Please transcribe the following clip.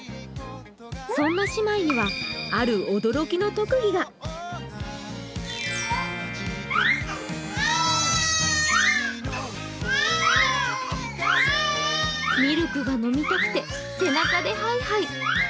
そんな姉妹にはある驚きの特技がミルクが飲みたくて、背中でハイハイ。